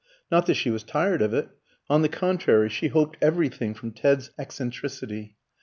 Not that she was tired of it; on the contrary, she hoped everything from Ted's eccentricity.